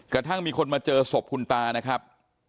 กระทั่งมีคนมาเจอศพคุณตานะครับ